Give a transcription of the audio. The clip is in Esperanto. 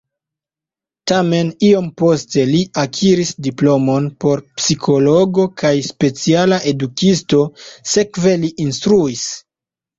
Tamen iom poste li akiris diplomon por psikologo kaj speciala edukisto, sekve li instruis.